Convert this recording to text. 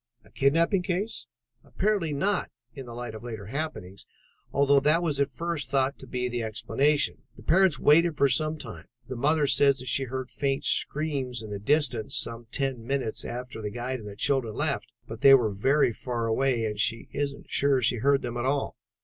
"A kidnapping case?" "Apparently not, in the light of later happenings, although that was at first thought to be the explanation. The parents waited for some time. The mother says that she heard faint screams in the distance some ten minutes after the guide and the children left, but they were very far away and she isn't sure that she heard them at all.